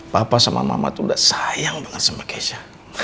papa sama mama tuh udah sayang banget sama keisha